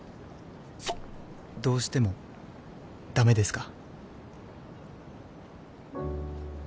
「どうしてもだめですか？」